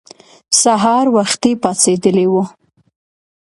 سهار وختي پاڅېدلي وو.